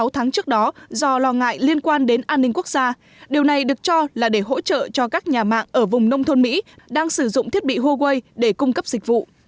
sáu tháng trước đó do lo ngại liên quan đến an ninh quốc gia điều này được cho là để hỗ trợ cho các nhà mạng ở vùng nông thôn mỹ đang sử dụng thiết bị huawei để cung cấp dịch vụ